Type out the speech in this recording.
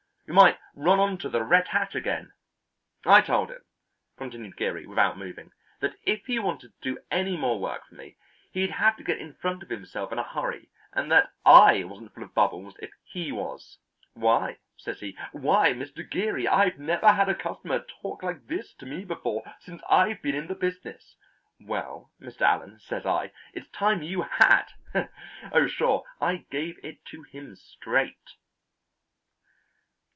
We might run on to the red hat again." "I told him," continued Geary without moving, "that if he wanted to do any more work for me, he'd have to get in front of himself in a hurry, and that I wasn't full of bubbles, if he was. 'Why,' says he, 'why, Mr. Geary, I've never had a customer talk like this to me before since I've been in the business!' 'Well, Mr. Allen,' says I, 'it's time you had! Oh, sure, I gave it to him straight."